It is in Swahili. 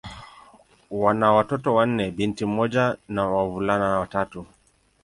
Wana watoto wanne: binti mmoja na wavulana watatu.